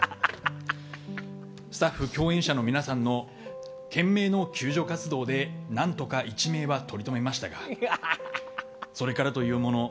スタッフ、共演者の皆さんの懸命の救助活動で何とか一命はとりとめましたがそれからというもの